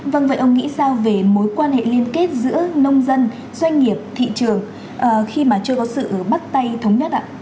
vâng vậy ông nghĩ sao về mối quan hệ liên kết giữa nông dân doanh nghiệp thị trường khi mà chưa có sự bắt tay thống nhất ạ